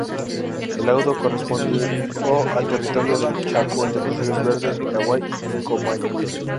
El laudo correspondió al territorio del Chaco entre los ríos Verde, Paraguay y Pilcomayo.